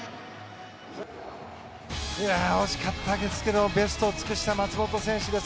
惜しかったですけどベストを尽くした松元選手です。